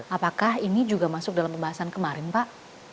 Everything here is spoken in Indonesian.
apakah ini juga masuk dalam pembahasan kemarin pak